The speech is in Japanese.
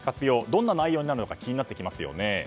どんな内容になるのか気になってきますね。